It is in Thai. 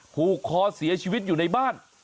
ผูกคอเสียชีวิตอยู่ในบ้าน